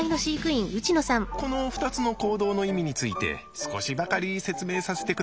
この２つの行動の意味について少しばかり説明させてください。